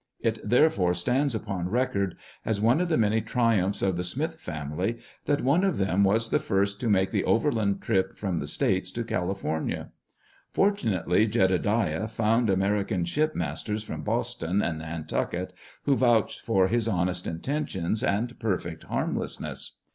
It therefore stands upon record as one of the many triumphs of the Smith family, that one of them was the first to make the overland trip from the " States" to California. Fortunately Jedediah found American shipmasters from Boston and Nantucket who vouched for his honest inten tions and perfect harmlessness.